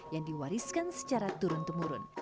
yang diwariskan secara turun temurun